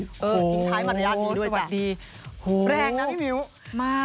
ทิ้งท้ายมันร้านดีด้วยแกะแรกนะพี่มิวมากโอ้โหโอ้โห